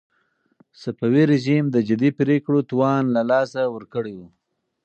صفوي رژيم د جدي پرېکړو توان له لاسه ورکړی و.